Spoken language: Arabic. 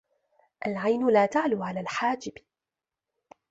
العين لا تعلو على الحاجب